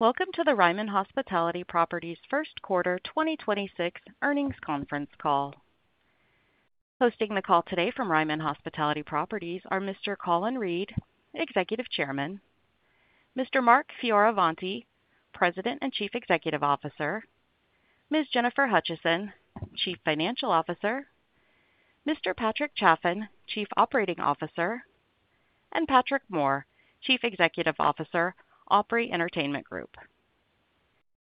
Welcome to the Ryman Hospitality Properties first quarter 2026 earnings conference call. Hosting the call today from Ryman Hospitality Properties are Mr. Colin Reed, Executive Chairman, Mr. Mark Fioravanti, President and Chief Executive Officer, Ms. Jennifer Hutcheson, Chief Financial Officer, Mr. Patrick Chaffin, Chief Operating Officer, and Patrick Moore, Chief Executive Officer, Opry Entertainment Group.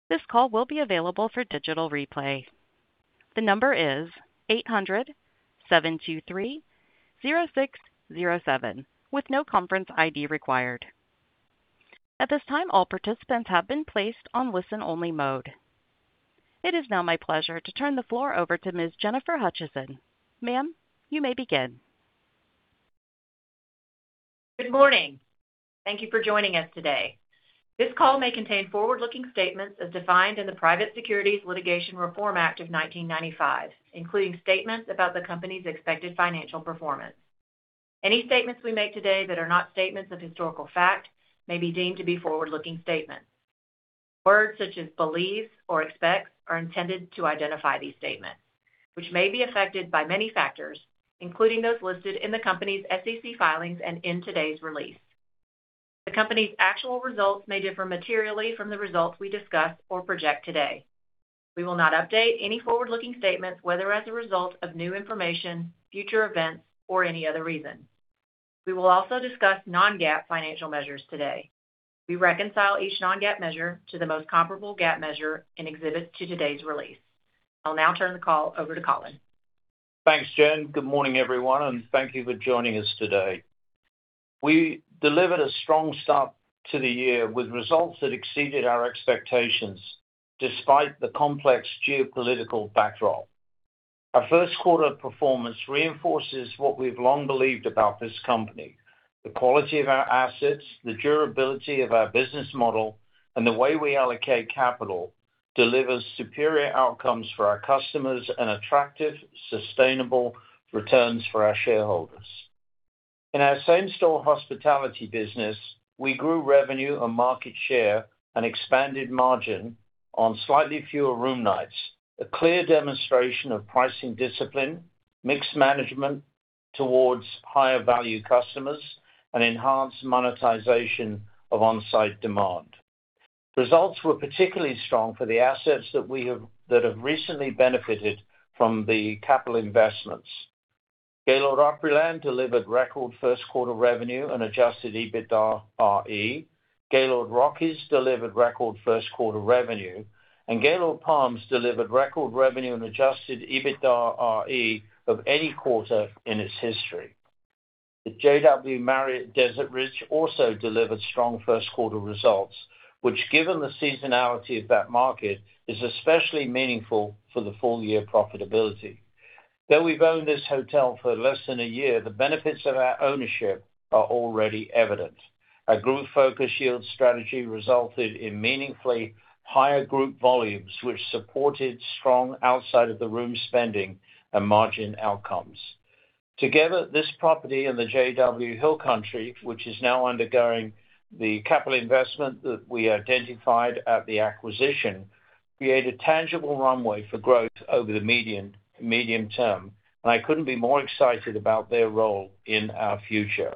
Good morning. Thank you for joining us today. This call may contain forward-looking statements as defined in the Private Securities Litigation Reform Act of 1995, including statements about the company's expected financial performance. Any statements we make today that are not statements of historical fact may be deemed to be forward-looking statements. Words such as believe or expect are intended to identify these statements, which may be affected by many factors, including those listed in the company's SEC filings and in today's release. The company's actual results may differ materially from the results we discuss or project today. We will not update any forward-looking statements, whether as a result of new information, future events, or any other reason. We will also discuss non-GAAP financial measures today. We reconcile each non-GAAP measure to the most comparable GAAP measure in exhibits to today's release. I'll now turn the call over to Colin. Thanks, Jen. Good morning, everyone, thank you for joining us today. We delivered a strong start to the year with results that exceeded our expectations despite the complex geopolitical backdrop. Our first quarter performance reinforces what we've long believed about this company. The quality of our assets, the durability of our business model, and the way we allocate capital delivers superior outcomes for our customers and attractive, sustainable returns for our shareholders. In our same-store hospitality business, we grew revenue and market share and expanded margin on slightly fewer room nights, a clear demonstration of pricing discipline, mix management towards higher-value customers, and enhanced monetization of on-site demand. Results were particularly strong for the assets that have recently benefited from the capital investments. Gaylord Opryland delivered record first quarter revenue and Adjusted EBITDAre. Gaylord Rockies delivered record 1st quarter revenue. Gaylord Palms delivered record revenue and Adjusted EBITDAre of any quarter in its history. The JW Marriott Desert Ridge also delivered strong 1st quarter results, which, given the seasonality of that market, is especially meaningful for the full-year profitability. Though we've owned this hotel for less than a year, the benefits of our ownership are already evident. A group focus yield strategy resulted in meaningfully higher group volumes, which supported strong outside-of-the-room spending and margin outcomes. Together, this property and the JW Hill Country, which is now undergoing the capital investment that we identified at the acquisition, create a tangible runway for growth over the medium term. I couldn't be more excited about their role in our future.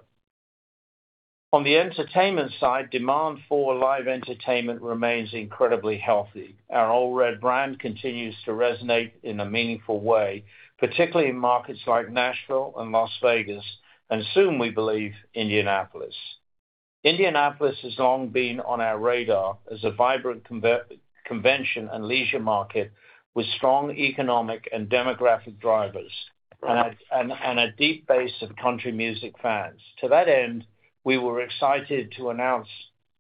On the entertainment side, demand for live entertainment remains incredibly healthy. Our Ole Red brand continues to resonate in a meaningful way, particularly in markets like Nashville and Las Vegas, and soon, we believe, Indianapolis. Indianapolis has long been on our radar as a vibrant convention and leisure market with strong economic and demographic drivers and a deep base of country music fans. To that end, we were excited to announce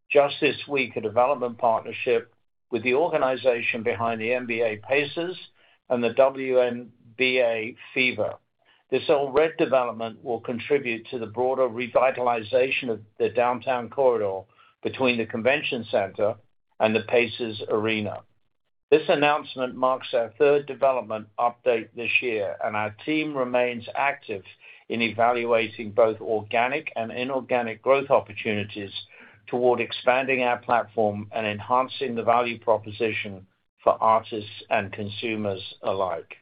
just this week a development partnership with the organization behind the NBA Pacers and the WNBA Fever. This Ole Red development will contribute to the broader revitalization of the downtown corridor between the convention center and the Pacers arena. This announcement marks our third development update this year. Our team remains active in evaluating both organic and inorganic growth opportunities toward expanding our platform and enhancing the value proposition for artists and consumers alike.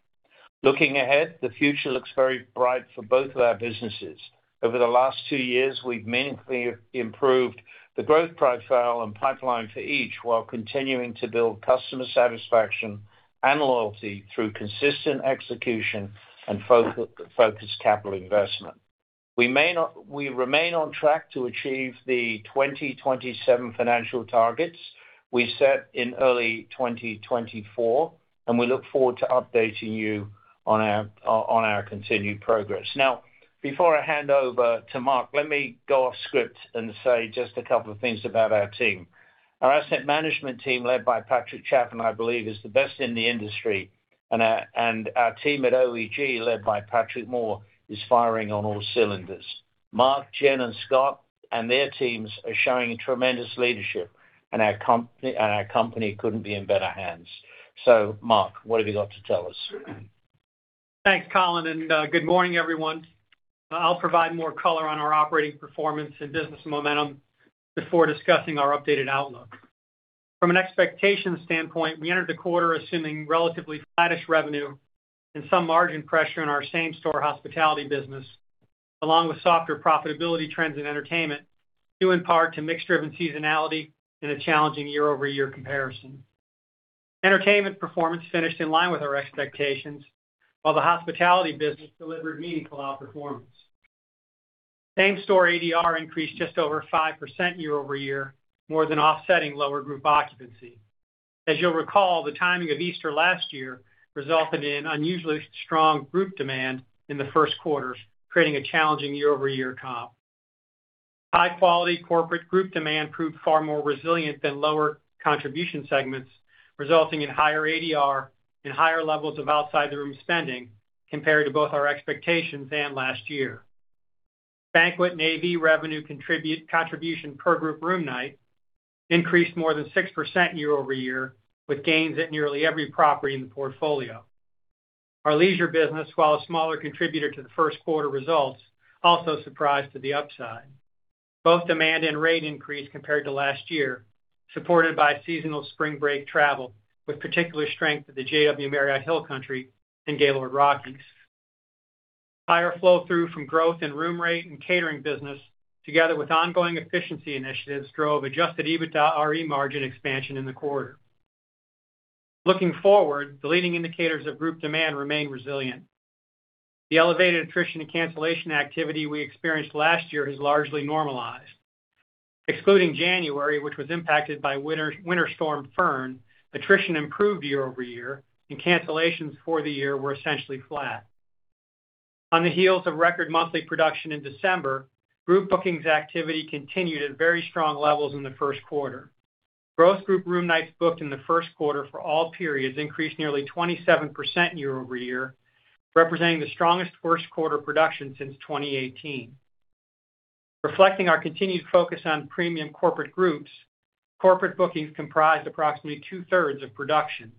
Looking ahead, the future looks very bright for both of our businesses. Over the last two years, we've meaningfully improved the growth profile and pipeline for each while continuing to build customer satisfaction and loyalty through consistent execution and focus capital investment. We remain on track to achieve the 2027 financial targets we set in early 2024, and we look forward to updating you on our continued progress. Before I hand over to Mark, let me go off script and say just a couple of things about our team. Our asset management team, led by Patrick Chaffin, I believe is the best in the industry, and our team at OEG, led by Patrick Moore, is firing on all cylinders. Mark, Jen, and Scott and their teams are showing tremendous leadership, and our company couldn't be in better hands. Mark, what have you got to tell us? Thanks, Colin. Good morning, everyone. I'll provide more color on our operating performance and business momentum before discussing our updated outlook. From an expectation standpoint, we entered the quarter assuming relatively flattish revenue and some margin pressure in our same-store hospitality business, along with softer profitability trends in entertainment, due in part to mix-driven seasonality and a challenging year-over-year comparison. Entertainment performance finished in line with our expectations, while the hospitality business delivered meaningful outperformance. Same-store ADR increased just over five percent year-over-year, more than offsetting lower group occupancy. As you'll recall, the timing of Easter last year resulted in unusually strong group demand in the first quarter, creating a challenging year-over-year comp. High-quality corporate group demand proved far more resilient than lower contribution segments, resulting in higher ADR and higher levels of outside-the-room spending compared to both our expectations and last year. Banquet AV revenue contribution per group room night increased more than six percent year-over-year, with gains at nearly every property in the portfolio. Our leisure business, while a smaller contributor to the first quarter results, also surprised to the upside. Both demand and rate increased compared to last year, supported by seasonal spring break travel, with particular strength at the JW Marriott Hill Country and Gaylord Rockies. Higher flow-through from growth in room rate and catering business, together with ongoing efficiency initiatives, drove Adjusted EBITDAre margin expansion in the quarter. Looking forward, the leading indicators of group demand remain resilient. The elevated attrition and cancellation activity we experienced last year has largely normalized. Excluding January, which was impacted by Winter Storm Fern, attrition improved year-over-year, and cancellations for the year were essentially flat. On the heels of record monthly production in December, group bookings activity continued at very strong levels in the first quarter. Gross group room nights booked in the first quarter for all periods increased nearly 27% year-over-year, representing the strongest first quarter production since 2018. Reflecting our continued focus on premium corporate groups, corporate bookings comprised approximately two-thirds of production.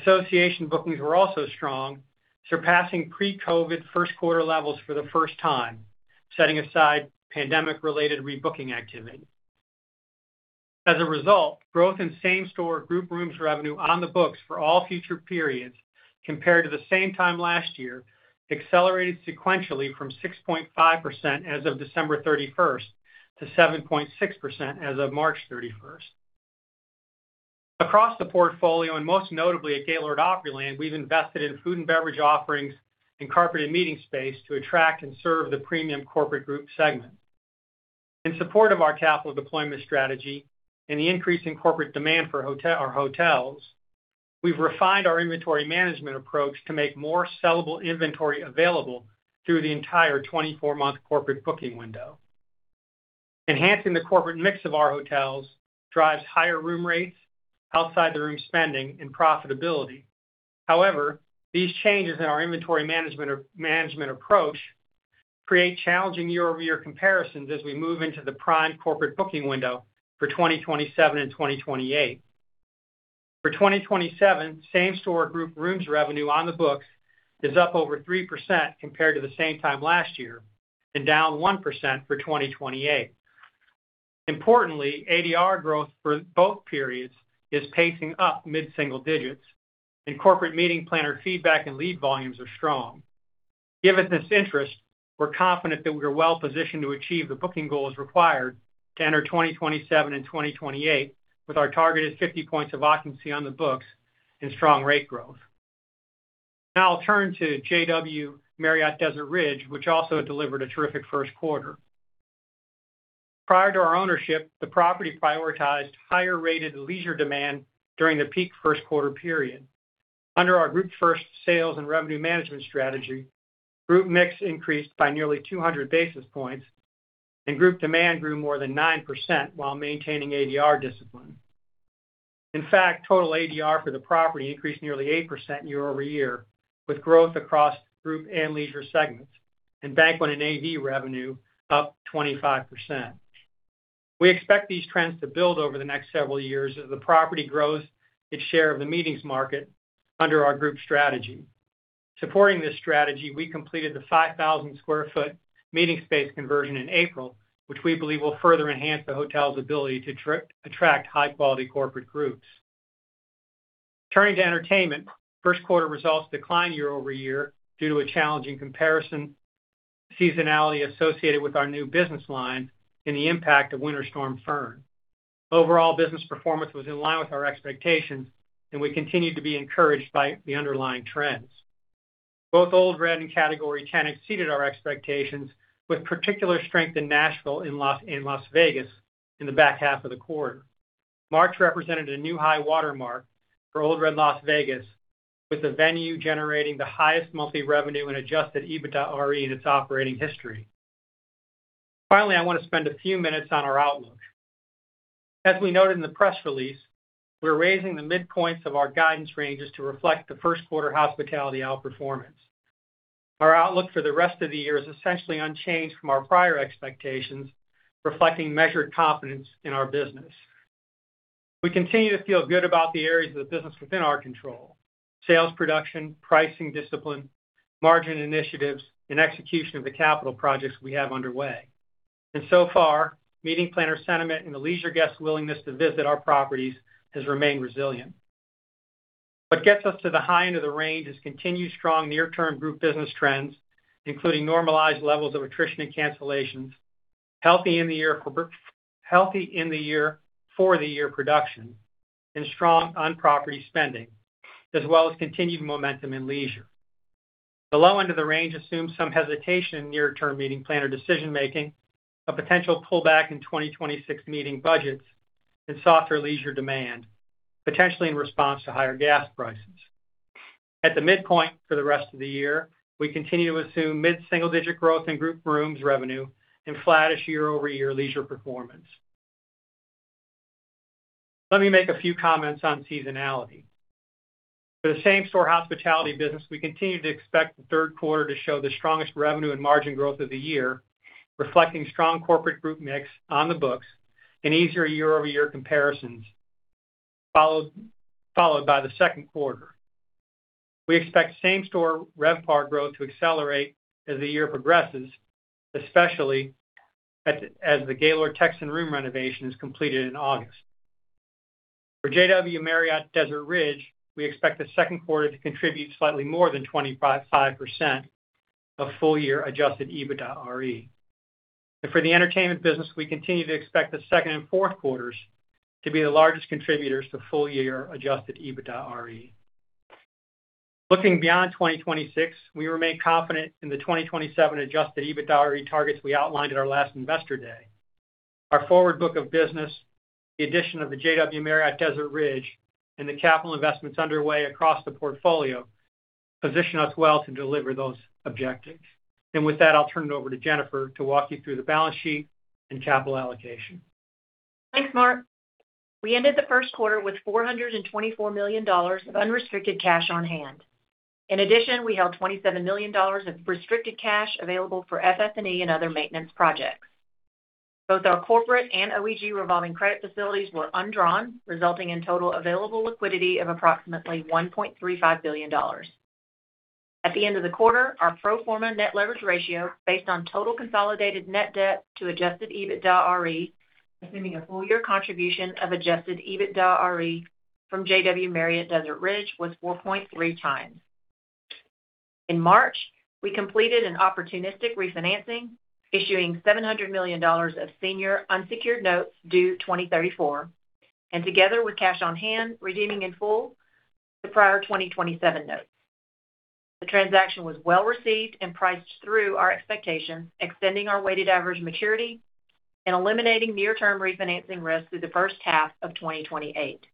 Association bookings were also strong, surpassing pre-COVID first quarter levels for the first time, setting aside pandemic-related rebooking activity. As a result, growth in same-store group rooms revenue on the books for all future periods compared to the same time last year accelerated sequentially from six point five percent as of December 31st to seven point six percent as of March 31st. Across the portfolio, and most notably at Gaylord Opryland, we've invested in food and beverage offerings and corporate meeting space to attract and serve the premium corporate group segment. In support of our capital deployment strategy and the increase in corporate demand for our hotels, we've refined our inventory management approach to make more sellable inventory available through the entire 24-month corporate booking window. Enhancing the corporate mix of our hotels drives higher room rates, outside-the-room spending, and profitability. However, these changes in our inventory management approach create challenging year-over-year comparisons as we move into the prime corporate booking window for 2027 and 2028. For 2027, same-store group rooms revenue on the books is up over three percent compared to the same time last year and down one percent for 2028. Importantly, ADR growth for both periods is pacing up mid-single digits, and corporate meeting planner feedback and lead volumes are strong. Given this interest, we're confident that we are well-positioned to achieve the booking goals required to enter 2027 and 2028 with our targeted 50 points of occupancy on the books and strong rate growth. Now I'll turn to JW Marriott Desert Ridge, which also delivered a terrific first quarter. Prior to our ownership, the property prioritized higher-rated leisure demand during the peak first quarter period. Under our Group First sales and revenue management strategy, group mix increased by nearly 200 basis points, and group demand grew more than nine percent while maintaining ADR discipline. In fact, total ADR for the property increased nearly eight percent year-over-year, with growth across group and leisure segments, and banquet and AV revenue up 25%. We expect these trends to build over the next several years as the property grows its share of the meetings market under our group strategy. Supporting this strategy, we completed the 5,000 square foot meeting space conversion in April, which we believe will further enhance the hotel's ability to attract high-quality corporate groups. Turning to entertainment, first quarter results declined year-over-year due to a challenging comparison, seasonality associated with our new business line, and the impact of Winter Storm Fern. Overall business performance was in line with our expectations. We continue to be encouraged by the underlying trends. Both Ole Red and Category 10 exceeded our expectations, with particular strength in Nashville and Las Vegas in the back half of the quarter. March represented a new high watermark for Ole Red Las Vegas, with the venue generating the highest monthly revenue and Adjusted EBITDAre in its operating history. Finally, I want to spend a few minutes on our outlook. As we noted in the press release, we're raising the midpoints of our guidance ranges to reflect the first quarter hospitality outperformance. Our outlook for the rest of the year is essentially unchanged from our prior expectations, reflecting measured confidence in our business. We continue to feel good about the areas of the business within our control, sales production, pricing discipline, margin initiatives, and execution of the capital projects we have underway. So far, meeting planner sentiment and the leisure guests' willingness to visit our properties has remained resilient. What gets us to the high end of the range is continued strong near-term group business trends, including normalized levels of attrition and cancellations, healthy in the year for the year production, and strong on-property spending, as well as continued momentum in leisure. The low end of the range assumes some hesitation in near-term meeting planner decision-making, a potential pullback in 2026 meeting budgets, and softer leisure demand, potentially in response to higher gas prices. At the midpoint for the rest of the year, we continue to assume mid-single-digit growth in group rooms revenue and flattish year-over-year leisure performance. Let me make a few comments on seasonality. For the same-store hospitality business, we continue to expect the third quarter to show the strongest revenue and margin growth of the year, reflecting strong corporate group mix on the books and easier year-over-year comparisons, followed by the second quarter. We expect same-store RevPAR growth to accelerate as the year progresses, especially as the Gaylord Texan room renovation is completed in August. For JW Marriott Desert Ridge, we expect the second quarter to contribute slightly more than 25% of full-year Adjusted EBITDAre. For the entertainment business, we continue to expect the second and fourth quarters to be the largest contributors to full-year Adjusted EBITDAre. Looking beyond 2026, we remain confident in the 2027 Adjusted EBITDAre targets we outlined at our last Investor Day. Our forward book of business, the addition of the JW Marriott Desert Ridge, and the capital investments underway across the portfolio position us well to deliver those objectives. With that, I'll turn it over to Jennifer to walk you through the balance sheet and capital allocation. Thanks, Mark. We ended the first quarter with $424 million of unrestricted cash on hand. In addition, we held $27 million of restricted cash available for FF&E and other maintenance projects. Both our corporate and OEG revolving credit facilities were undrawn, resulting in total available liquidity of approximately $1.35 billion. At the end of the quarter, our pro forma net leverage ratio, based on total consolidated net debt to Adjusted EBITDAre, assuming a full year contribution of Adjusted EBITDAre from JW Marriott Desert Ridge, was four point three times. In March, we completed an opportunistic refinancing, issuing $700 million of senior unsecured notes due 2034, and together with cash on hand, redeeming in full the prior 2027 notes. The transaction was well received and priced through our expectations, extending our weighted average maturity and eliminating near-term refinancing risk through the first half of 2028.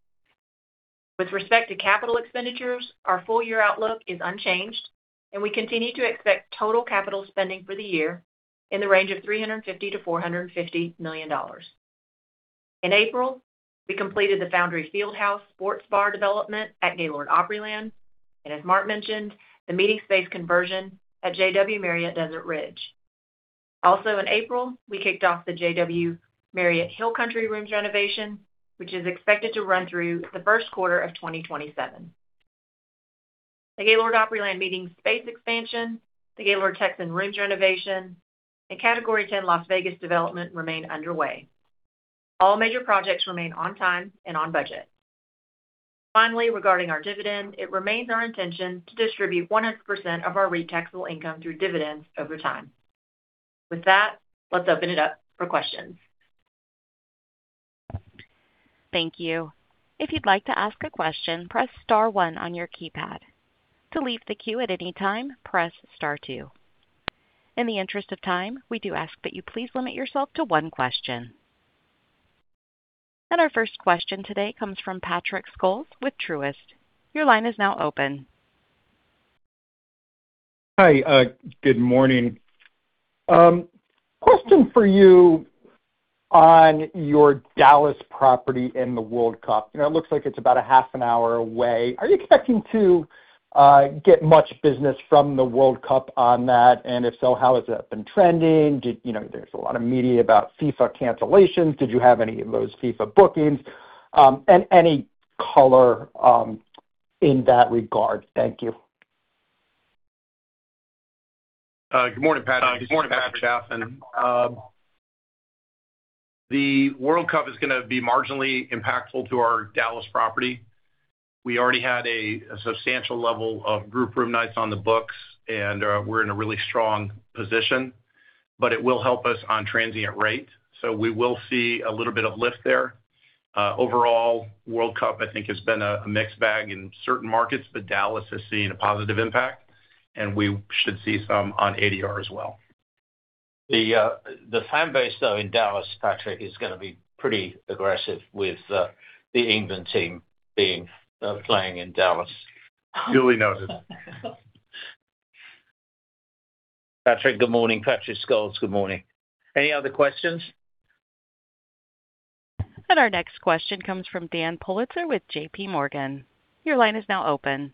With respect to capital expenditures, our full-year outlook is unchanged, and we continue to expect total capital spending for the year in the range of $350 million-$450 million. In April, we completed the Foundry Field House sports bar development at Gaylord Opryland, and as Mark mentioned, the meeting space conversion at JW Marriott Desert Ridge. Also in April, we kicked off the JW Marriott Hill Country rooms renovation, which is expected to run through the first quarter of 2027. The Gaylord Opryland meeting space expansion, the Gaylord Texan rooms renovation, and Category 10 Las Vegas development remain underway. All major projects remain on time and on budget. Regarding our dividend, it remains our intention to distribute 100% of our REIT taxable income through dividends over time. With that, let's open it up for questions. Thank you. If you'd like to ask a question, press star one on your keypad. To leave the queue at any time, press star two. In the interest of time, we do ask that you please limit yourself to one question. Our first question today comes from Patrick Scholes with Truist. Your line is now open. Hi. Good morning. Question for you on your Dallas property in the World Cup. You know, it looks like it's about a half an hour away. Are you expecting to get much business from the World Cup on that? If so, how has that been trending? You know, there's a lot of media about FIFA cancellations. Did you have any of those FIFA bookings? Any color in that regard. Thank you. Good morning, Patrick. This is Patrick Chaffin. The World Cup is gonna be marginally impactful to our Dallas property. We already had a substantial level of group room nights on the books, and we're in a really strong position, but it will help us on transient rate. We will see a little bit of lift there. Overall, World Cup, I think, has been a mixed bag in certain markets, but Dallas is seeing a positive impact, and we should see some on ADR as well. The fan base, though, in Dallas, Patrick, is going to be pretty aggressive with the England team being playing in Dallas. Duly noted. Patrick, good morning. Patrick Scholes, good morning. Any other questions? Our next question comes from Daniel Politzer with J.P. Morgan. Your line is now open.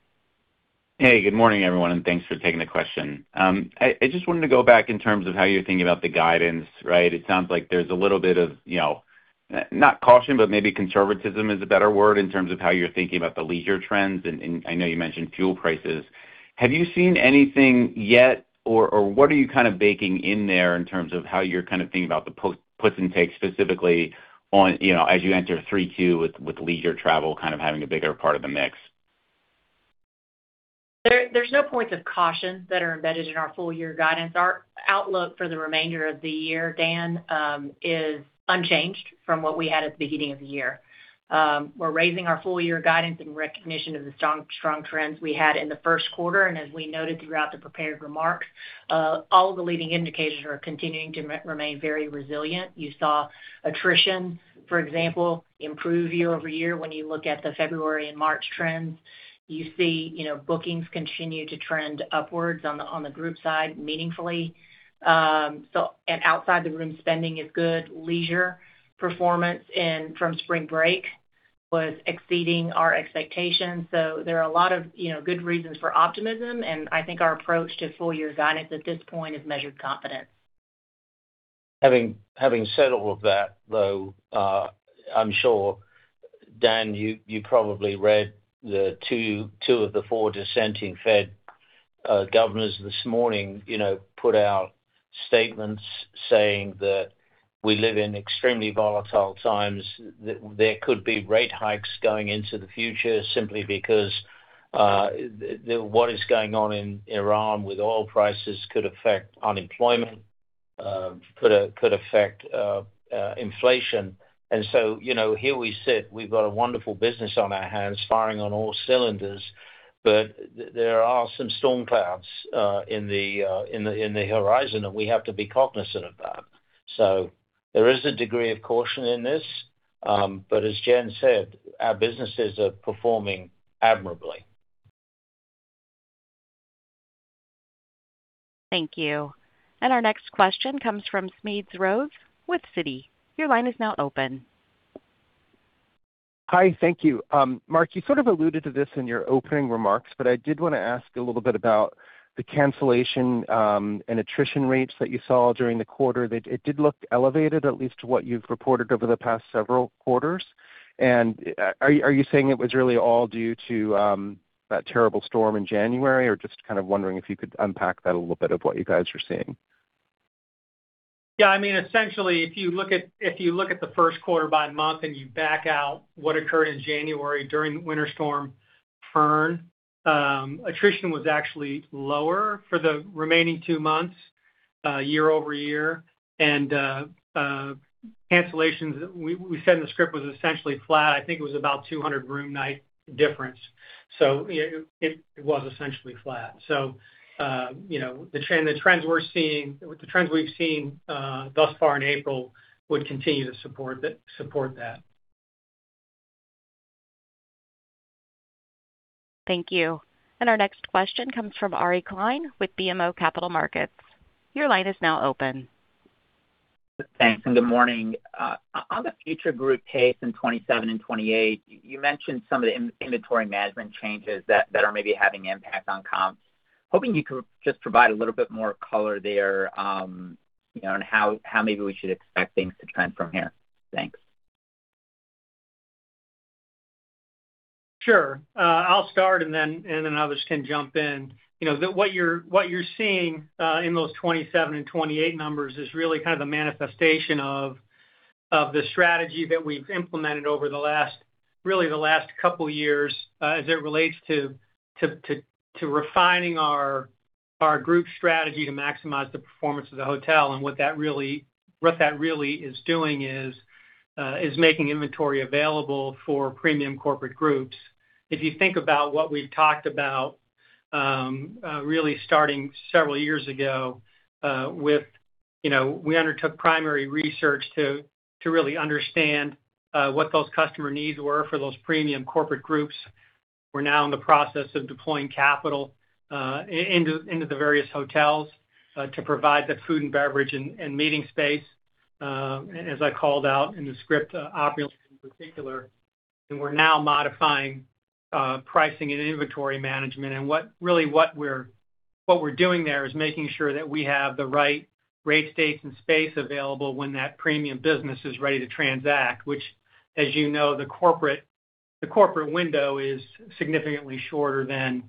Hey, good morning, everyone, and thanks for taking the question. I just wanted to go back in terms of how you're thinking about the guidance, right? It sounds like there's a little bit of, you know, not caution, but maybe conservatism is a better word, in terms of how you're thinking about the leisure trends. I know you mentioned fuel prices. Have you seen anything yet or what are you kind of baking in there in terms of how you're kind of thinking about the puts and takes specifically on, you know, as you enter three-two with leisure travel kind of having a bigger part of the mix? There's no points of caution that are embedded in our full year guidance. Our outlook for the remainder of the year, Dan, is unchanged from what we had at the beginning of the year. We're raising our full year guidance in recognition of the strong trends we had in the first quarter. As we noted throughout the prepared remarks, all the leading indicators are continuing to remain very resilient. You saw attrition, for example, improve year-over-year when you look at the February and March trends. You see, you know, bookings continue to trend upwards on the group side meaningfully. Outside the room spending is good. Leisure performance in from spring break was exceeding our expectations. There are a lot of, you know, good reasons for optimism, and I think our approach to full year guidance at this point is measured confidence. Having said all of that, though, I'm sure, Dan, you probably read the two of the four dissenting Fed governors this morning, you know, put out statements saying that we live in extremely volatile times. There could be rate hikes going into the future simply because what is going on in Iran with oil prices could affect unemployment, could affect inflation. You know, here we sit. We've got a wonderful business on our hands firing on all cylinders. There are some storm clouds in the horizon, and we have to be cognizant of that. There is a degree of caution in this. As Jen said, our businesses are performing admirably. Thank you. Our next question comes from Smedes Rose with Citi. Your line is now open. Hi. Thank you. Mark, you sort of alluded to this in your opening remarks, but I did wanna ask a little bit about the cancellation and attrition rates that you saw during the quarter. It did look elevated, at least to what you've reported over the past several quarters. Are you saying it was really all due to that terrible storm in January? Or just kind of wondering if you could unpack that a little bit of what you guys were seeing. Yeah, I mean, essentially, if you look at, if you look at the first quarter by month and you back out what occurred in January during the Winter Storm Fern, attrition was actually lower for the remaining two months, year-over-year. Cancellations, we said in the script, was essentially flat. I think it was about 200 room night difference. It was essentially flat. You know, the trends we've seen thus far in April would continue to support that. Thank you. Our next question comes from Ari Klein with BMO Capital Markets. Your line is now open. Thanks. Good morning. On the future group pace in 2027 and 2028, you mentioned some of the in-inventory management changes that are maybe having impact on comps. Hoping you could just provide a little bit more color there, you know, and how maybe we should expect things to trend from here. Thanks. Sure. I'll start and then, and then others can jump in. You know, what you're seeing, in those 2027 and 2028 numbers is really kind of the manifestation of the strategy that we've implemented over the last couple years, as it relates to refining our group strategy to maximize the performance of the hotel. What that really is doing is making inventory available for premium corporate groups. If you think about what we've talked about, really starting several years ago, with, you know, we undertook primary research to really understand, what those customer needs were for those premium corporate groups. We're now in the process of deploying capital into the various hotels to provide the food and beverage and meeting space, as I called out in the script, Opryland in particular. We're now modifying pricing and inventory management. Really what we're doing there is making sure that we have the right rate, dates, and space available when that premium business is ready to transact, which, as you know, the corporate window is significantly shorter than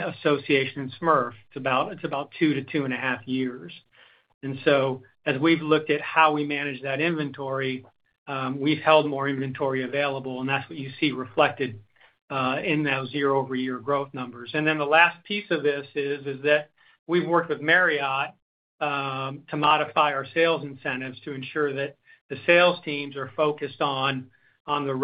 association and SMERF. It's about two to two and a half years. As we've looked at how we manage that inventory, we've held more inventory available, and that's what you see reflected in those year-over-year growth numbers. The last piece of this is that we've worked with Marriott to modify our sales incentives to ensure that the sales teams are focused on the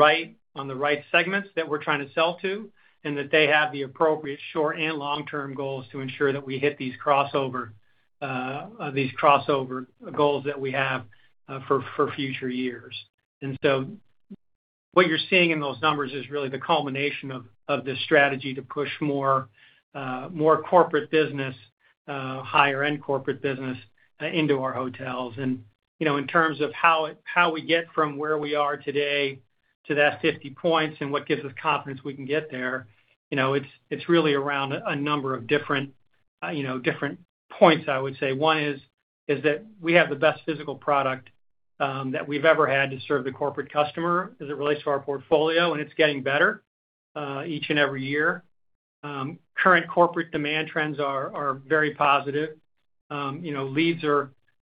right segments that we're trying to sell to, and that they have the appropriate short and long-term goals to ensure that we hit these crossover goals that we have for future years. What you're seeing in those numbers is really the culmination of this strategy to push more corporate business, higher end corporate business into our hotels. You know, in terms of how we get from where we are today to that 50 points and what gives us confidence we can get there, you know, it's really around a number of different points, I would say. One is that we have the best physical product that we've ever had to serve the corporate customer as it relates to our portfolio, and it's getting better each and every year. Current corporate demand trends are very positive. You know,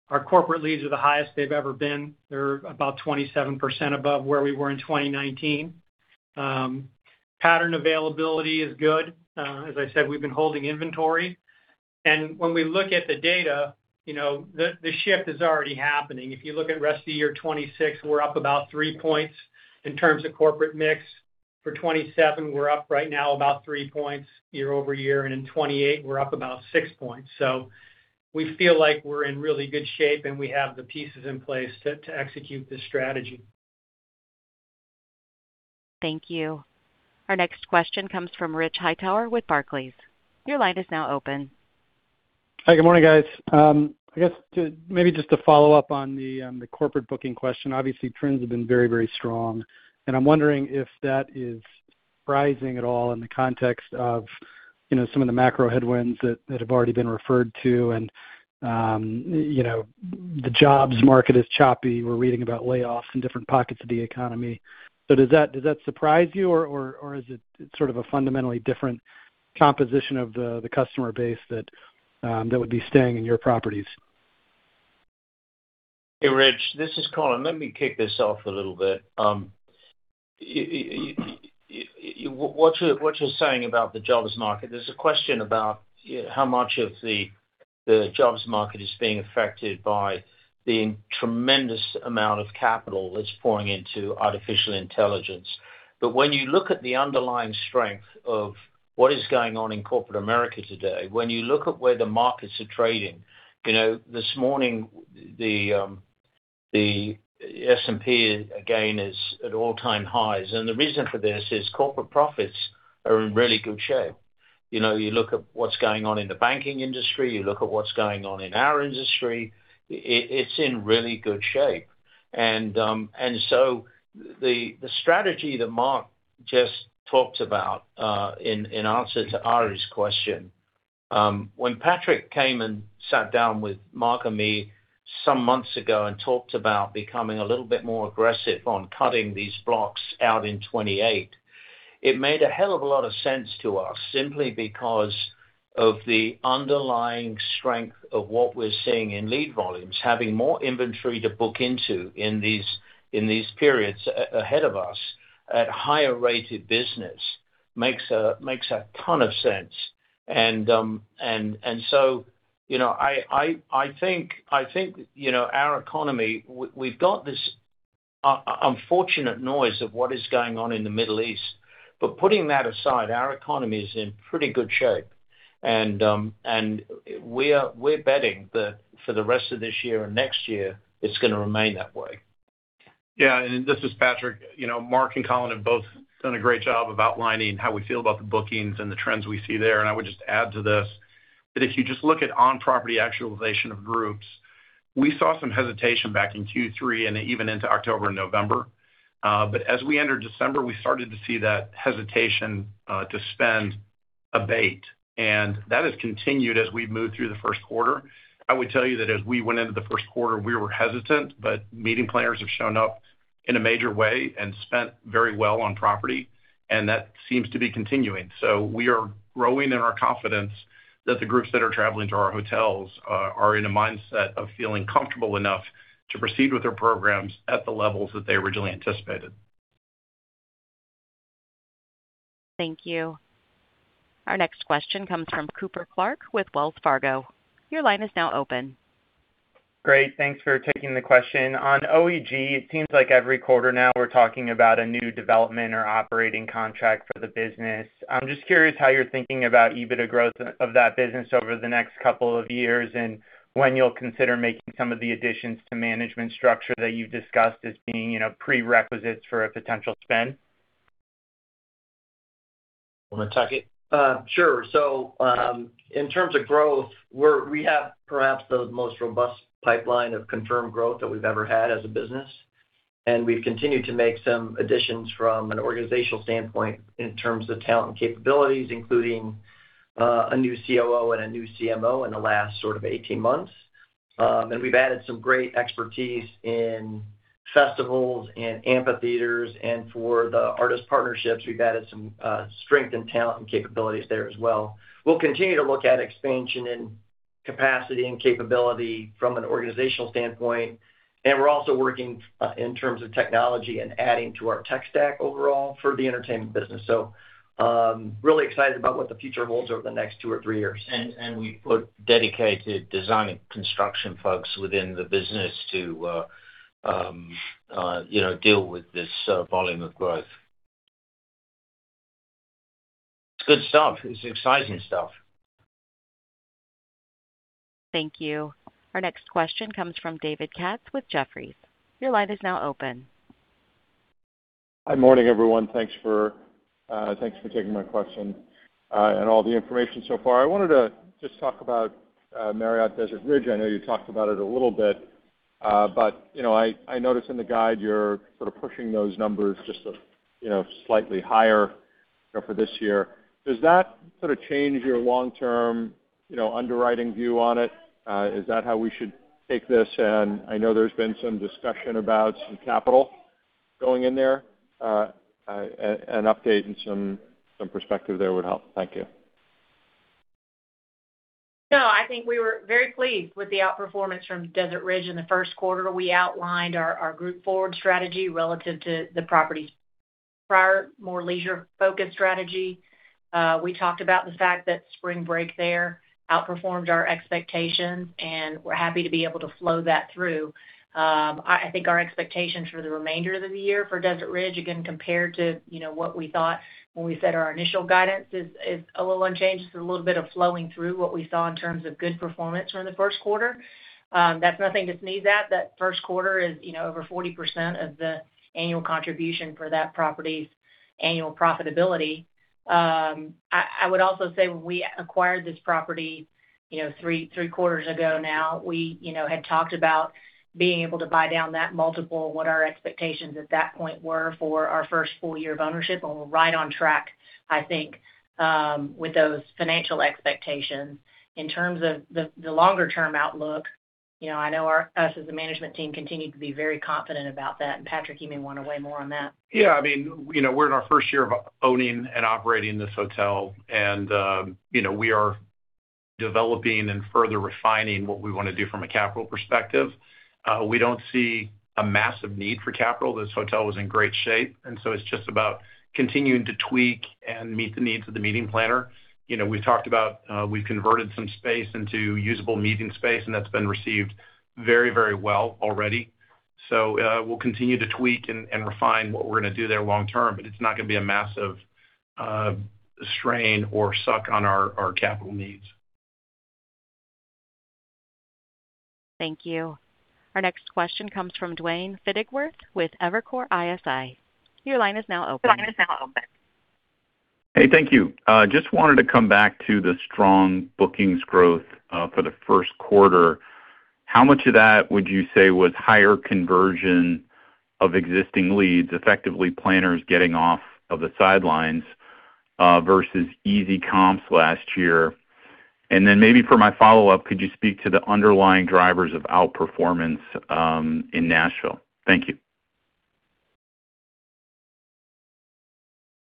our corporate leads are the highest they've ever been. They're about 27% above where we were in 2019. Pattern availability is good. As I said, we've been holding inventory. When we look at the data, you know, the shift is already happening. If you look at rest of year 2026, we're up about three points in terms of corporate mix. For 2027, we're up right now about three points year over year, and in 2028, we're up about six points. We feel like we're in really good shape, and we have the pieces in place to execute this strategy. Thank you. Our next question comes from Richard Hightower with Barclays. Your line is now open. Hi, good morning, guys. I guess maybe just to follow up on the corporate booking question. Obviously, trends have been very, very strong. I'm wondering if that is surprising at all in the context of, you know, some of the macro headwinds that have already been referred to and, you know, the jobs market is choppy. We're reading about layoffs in different pockets of the economy. Does that surprise you, or is it sort of a fundamentally different composition of the customer base that would be staying in your properties? Hey, Rich, this is Colin. Let me kick this off a little bit. You what you're saying about the jobs market, there's a question about how much of the jobs market is being affected by the tremendous amount of capital that's pouring into artificial intelligence. When you look at the underlying strength of what is going on in corporate America today, when you look at where the markets are trading, you know, this morning, the S&P again is at all-time highs. The reason for this is corporate profits are in really good shape. You know, you look at what's going on in the banking industry, you look at what's going on in our industry, it's in really good shape. The strategy that Mark just talked about, in answer to Ari's question, when Patrick came and sat down with Mark and me some months ago and talked about becoming a little bit more aggressive on cutting these blocks out in 2028, it made a hell of a lot of sense to us simply because of the underlying strength of what we're seeing in lead volumes. Having more inventory to book into in these periods ahead of us at higher rated business makes a ton of sense. I think our economy, we've got this unfortunate noise of what is going on in the Middle East, but putting that aside, our economy is in pretty good shape. We're betting that for the rest of this year and next year, it's gonna remain that way. Yeah. This is Patrick. You know, Mark and Colin have both done a great job of outlining how we feel about the bookings and the trends we see there. I would just add to this, that if you just look at on-property actualization of groups, we saw some hesitation back in Q3 and even into October and November. As we entered December, we started to see that hesitation to spend abate. That has continued as we've moved through the first quarter. I would tell you that as we went into the 1st quarter, we were hesitant, but meeting planners have shown up in a major way and spent very well on property, and that seems to be continuing. We are growing in our confidence that the groups that are traveling to our hotels are in a mindset of feeling comfortable enough to proceed with their programs at the levels that they originally anticipated. Thank you. Our next question comes from Cooper Clark with Wells Fargo. Your line is now open. Great. Thanks for taking the question. On OEG, it seems like every quarter now we're talking about a new development or operating contract for the business. I'm just curious how you're thinking about EBITDA growth of that business over the next two years and when you'll consider making some of the additions to management structure that you've discussed as being, you know, prerequisites for a potential spend. You wanna take it? Sure. In terms of growth, we have perhaps the most robust pipeline of confirmed growth that we've ever had as a business. We've continued to make some additions from an organizational standpoint in terms of talent and capabilities, including a new COO and a new CMO in the last sort of 18 months. We've added some great expertise in festivals and amphitheaters, and for the artist partnerships, we've added some strength and talent and capabilities there as well. We'll continue to look at expansion and capacity and capability from an organizational standpoint, and we're also working in terms of technology and adding to our tech stack overall for the entertainment business. Really excited about what the future holds over the next two or three years. We put dedicated design and construction folks within the business to, you know, deal with this volume of growth. It's good stuff. It's exciting stuff. Thank you. Our next question comes from David Katz with Jefferies. Good morning, everyone. Thanks for, thanks for taking my question, and all the information so far. I wanted to just talk about Marriott Desert Ridge. I know you talked about it a little bit, but, you know, I noticed in the guide you're sort of pushing those numbers just to, you know, slightly higher for this year. Does that sort of change your long-term, you know, underwriting view on it? Is that how we should take this? I know there's been some discussion about some capital going in there. An update and some perspective there would help. Thank you. I think we were very pleased with the outperformance from Desert Ridge in the first quarter. We outlined our group forward strategy relative to the property's prior, more leisure-focused strategy. We talked about the fact that spring break there outperformed our expectations, we're happy to be able to flow that through. I think our expectations for the remainder of the year for Desert Ridge, again, compared to, you know, what we thought when we set our initial guidance is a little unchanged. It's a little bit of flowing through what we saw in terms of good performance during the first quarter. That's nothing to sneeze at. That first quarter is, you know, over 40% of the annual contribution for that property's annual profitability. I would also say when we acquired this property, you know, three quarters ago now, we, you know, had talked about being able to buy down that multiple, what our expectations at that point were for our first full year of ownership, and we're right on track, I think, with those financial expectations. In terms of the longer term outlook, you know, I know us as a management team continue to be very confident about that, and Patrick, you may want to weigh more on that. I mean, you know, we're in our first year of owning and operating this hotel, you know, we are developing and further refining what we wanna do from a capital perspective. We don't see a massive need for capital. This hotel was in great shape, it's just about continuing to tweak and meet the needs of the meeting planner. You know, we've talked about, we've converted some space into usable meeting space, and that's been received very, very well already. We'll continue to tweak and refine what we're gonna do there long term, but it's not gonna be a massive strain or suck on our capital needs. Thank you. Our next question comes from Duane Pfennigwerth with Evercore ISI. Your line is now open. Hey, thank you. Just wanted to come back to the strong bookings growth for the first quarter. How much of that would you say was higher conversion of existing leads, effectively planners getting off of the sidelines, versus easy comps last year? Then maybe for my follow-up, could you speak to the underlying drivers of outperformance in Nashville? Thank you.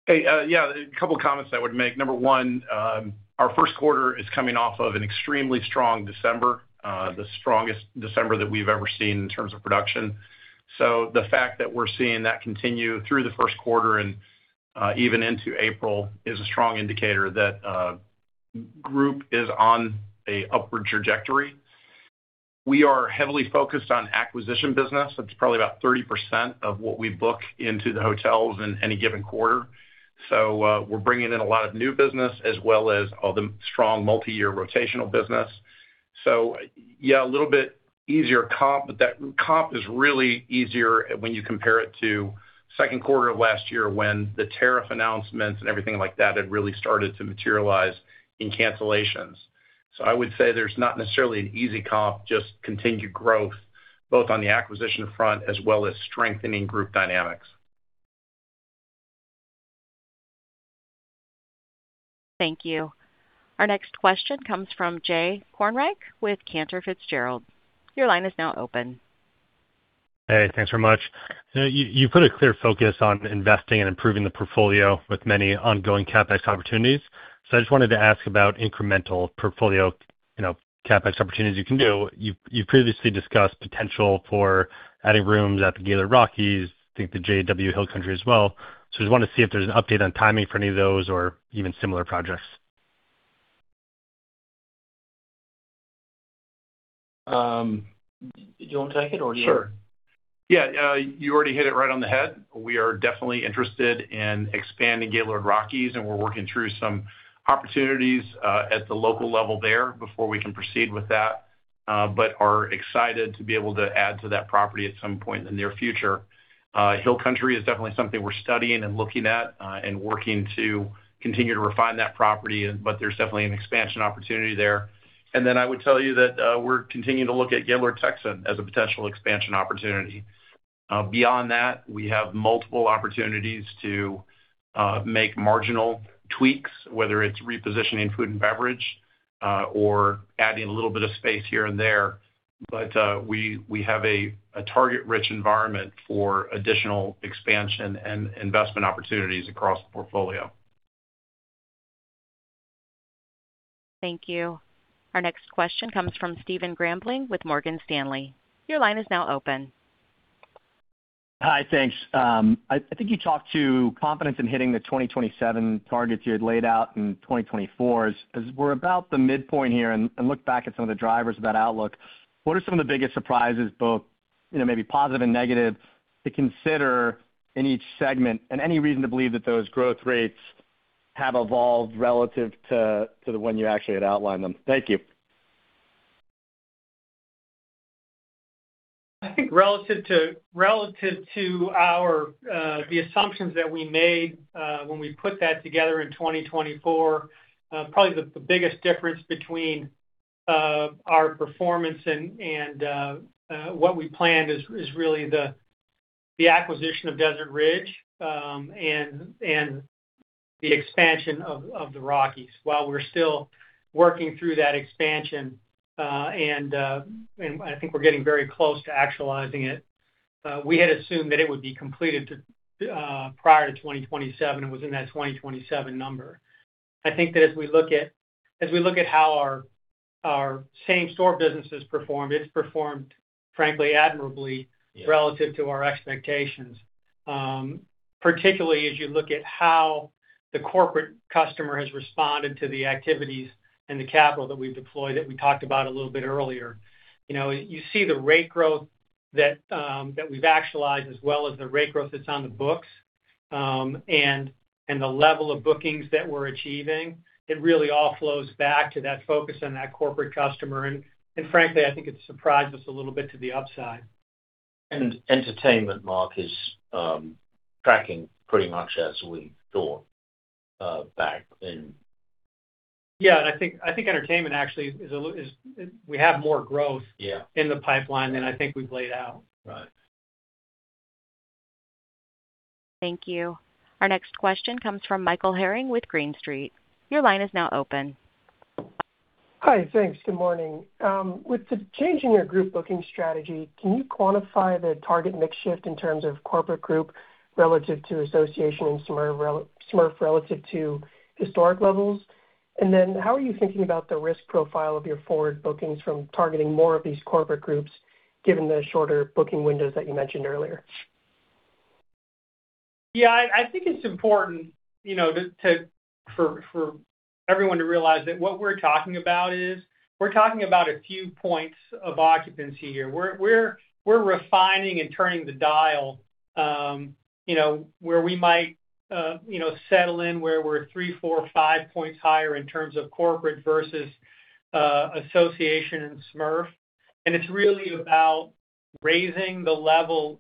Hey, yeah. A couple comments I would make. Number one, our first quarter is coming off of an extremely strong December, the strongest December that we've ever seen in terms of production. The fact that we're seeing that continue through the first quarter and even into April is a strong indicator that group is on a upward trajectory. We are heavily focused on acquisition business. That's probably about 30% of what we book into the hotels in any given quarter. We're bringing in a lot of new business as well as all the strong multi-year rotational business. Yeah, a little bit easier comp, but that comp is really easier when you compare it to second quarter of last year when the tariff announcements and everything like that had really started to materialize in cancellations. I would say there's not necessarily an easy comp, just continued growth both on the acquisition front as well as strengthening group dynamics. Thank you. Our next question comes from Jay Kornreich with Cantor Fitzgerald. Your line is now open. Hey, thanks very much. You put a clear focus on investing and improving the portfolio with many ongoing CapEx opportunities. I just wanted to ask about incremental portfolio, you know, CapEx opportunities you can do. You've previously discussed potential for adding rooms at the Gaylord Rockies, I think the JW Hill Country as well. I just wanted to see if there's an update on timing for any of those or even similar projects. Do you want to take it or? Sure. Yeah, you already hit it right on the head. We are definitely interested in expanding Gaylord Rockies, and we're working through some opportunities at the local level there before we can proceed with that, but are excited to be able to add to that property at some point in the near future. Hill Country is definitely something we're studying and looking at, and working to continue to refine that property, but there's definitely an expansion opportunity there. I would tell you that, we're continuing to look at Gaylord Texan as a potential expansion opportunity. Beyond that, we have multiple opportunities to make marginal tweaks, whether it's repositioning food and beverage, or adding a little bit of space here and there. We have a target-rich environment for additional expansion and investment opportunities across the portfolio. Thank you. Our next question comes from Stephen Grambling with Morgan Stanley. Your line is now open. Hi, thanks. I think you talked to confidence in hitting the 2027 targets you had laid out in 2024. As, as we're about the midpoint here and look back at some of the drivers of that outlook, what are some of the biggest surprises, both, you know, maybe positive and negative, to consider in each segment and any reason to believe that those growth rates have evolved relative to the one you actually had outlined them? Thank you. I think relative to our, the assumptions that we made, when we put that together in 2024, probably the biggest difference between our performance and what we planned is really the acquisition of Desert Ridge, and the expansion of the Rockies. While we're still working through that expansion, and I think we're getting very close to actualizing it, we had assumed that it would be completed prior to 2027, it was in that 2027 number. I think that as we look at, as we look at how our same store business has performed, it's performed frankly admirably. Relative to our expectations. Particularly as you look at how the corporate customer has responded to the activities and the capital that we've deployed, that we talked about a little bit earlier. You know, you see the rate growth that we've actualized as well as the rate growth that's on the books, and the level of bookings that we're achieving, it really all flows back to that focus on that corporate customer. Frankly, I think it surprised us a little bit to the upside. Entertainment, Mark, is tracking pretty much as we thought, back then. Yeah. I think, I think entertainment actually we have more growth. Yeah. in the pipeline than I think we've laid out. Right. Thank you. Our next question comes from Michael Herring with Green Street. Your line is now open. Hi. Thanks. Good morning. With the change in your group booking strategy, can you quantify the target mix shift in terms of corporate group relative to association and SMERF relative to historic levels? How are you thinking about the risk profile of your forward bookings from targeting more of these corporate groups, given the shorter booking windows that you mentioned earlier? Yeah. I think it's important, you know, for everyone to realize that what we're talking about is, we're talking about a few points of occupancy here. We're refining and turning the dial, you know, where we might, you know, settle in where we're three, four, five points higher in terms of corporate versus association and SMERF. It's really about raising the level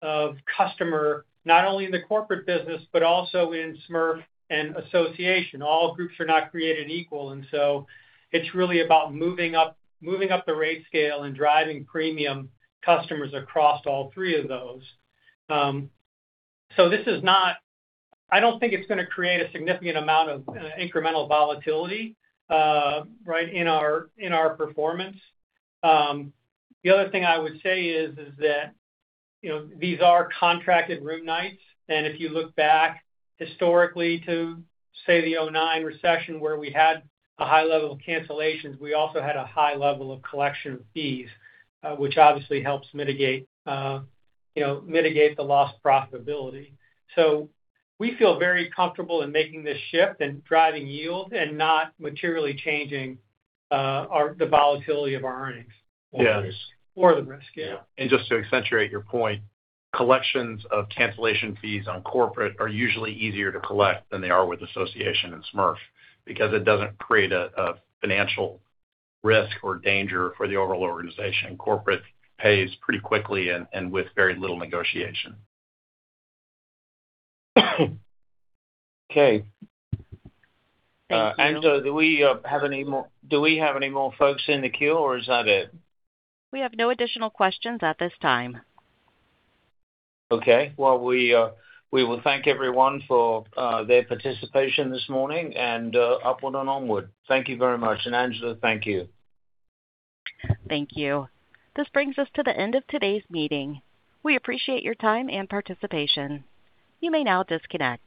of customer, not only in the corporate business, but also in SMERF and association. All groups are not created equal, so it's really about moving up the rate scale and driving premium customers across all three of those. This is not I don't think it's gonna create a significant amount of incremental volatility, right, in our performance. The other thing I would say is that, you know, these are contracted room nights. If you look back historically to, say, the 2009 recession, where we had a high level of cancellations, we also had a high level of collection fees, which obviously helps mitigate, you know, mitigate the lost profitability. We feel very comfortable in making this shift and driving yield and not materially changing the volatility of our earnings. The risk. The risk, yeah. Just to accentuate your point, collections of cancellation fees on corporate are usually easier to collect than they are with association and SMERF because it doesn't create a financial risk or danger for the overall organization. Corporate pays pretty quickly and with very little negotiation. Okay. Thank you. Angela, do we have any more folks in the queue, or is that it? We have no additional questions at this time. Okay. Well, we will thank everyone for their participation this morning, and upward and onward. Thank you very much. Angela, thank you. Thank you. This brings us to the end of today's meeting. We appreciate your time and participation. You may now disconnect.